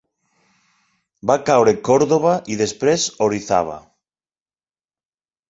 Va caure Còrdova i després Orizaba.